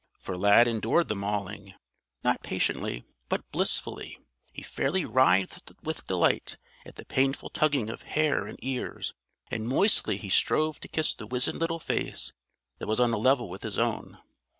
For Lad endured the mauling not patiently, but blissfully. He fairly writhed with delight at the painful tugging of hair and ears; and moistly he strove to kiss the wizened little face that was on a level with his own.